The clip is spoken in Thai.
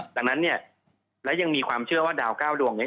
ดังนั้นและยังมีความเชื่อว่าดาว๙ดวงนี้